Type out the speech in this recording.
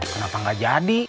kenapa gak jadi